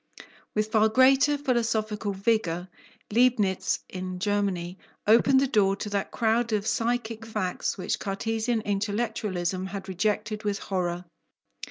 With far greater philosophical vigour, Leibnitz in Germany opened the door to that crowd of psychic facts which Cartesian intellectualism had rejected with horror.